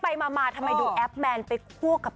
ไปมาทำไมดูแอปแมนไปคั่วกับ